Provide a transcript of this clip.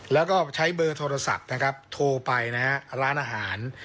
แล้วก็ใช้เบอร์โทรศัพท์นะครับโทรไปนะฮะร้านอาหาร